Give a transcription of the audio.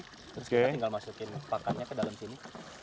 terus kita tinggal masukin pakannya ke dalam sini